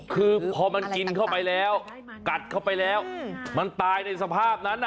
คือพอมันกินเข้าไปแล้วกัดเข้าไปแล้วมันตายในสภาพนั้น